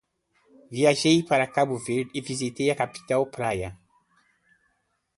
Viajei para Cabo Verde e visitei a capital, Praia.